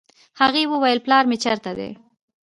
هغې وويل پلار مې چېرته دی.